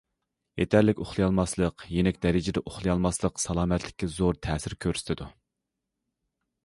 يېتەرلىك ئۇخلىيالماسلىق، يېنىك دەرىجىدە ئۇخلىيالماسلىق سالامەتلىككە زور تەسىر كۆرسىتىدۇ.